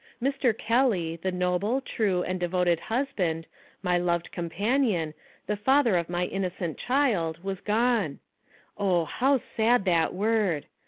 Mr. Kelly, the noble, true, and devoted hus band, my loved companion, the father of my innocent child, was gone. Oh! how sad that word!